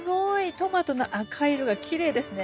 トマトの赤い色がきれいですね。